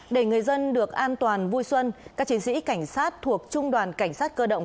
để người dân được an toàn vui xuân các chiến sĩ cảnh sát thuộc trung đoàn cảnh sát cơ động